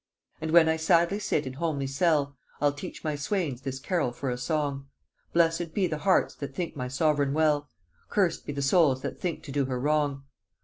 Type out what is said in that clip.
And when I sadly sit in homely cell, I'll teach my swains this carrol for a song: "Blest be the hearts that think my sovereign well, Curs'd be the souls that think to do her wrong."